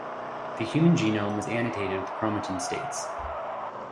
The human genome was annotated with chromatin states.